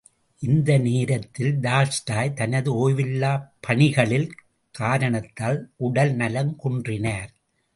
இந்த நேரத்தில், டால்ஸ்டாய் தனது ஓய்வில்லாப் பணிகளில் காரணத்தால் உடல் நலம் குன்றினார்.